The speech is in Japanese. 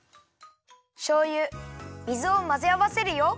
しょうゆ水をまぜあわせるよ。